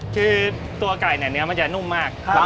คือตัวไก่เนี่ยเนื้อมันจะนุ่มมาก